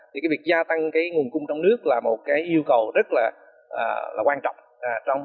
thì cái việc gia tăng cái nguồn cung trong nước là một cái yêu cầu rất là quan trọng trong